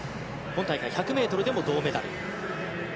今大会、１００ｍでも銅メダル。